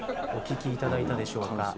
お聞きいただいたでしょうか。